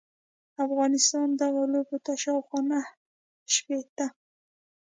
افغانستان دغو لوبو ته شاوخوا نهه شپیته ل